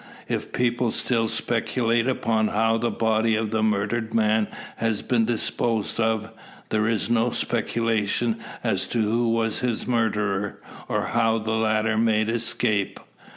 If people still speculate upon how the body of the murdered man has been disposed of, there is no speculation as to who was his murderer, or how the latter made escape.